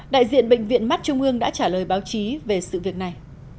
đại diện bệnh viện mắt trung ương đã trả lời báo chí về sự việc này